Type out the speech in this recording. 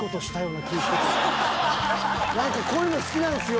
なんかこういうの好きなんですよ